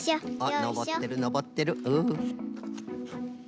あっのぼってるのぼってる。